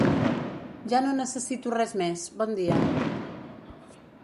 Ja no necessito res més, bon dia.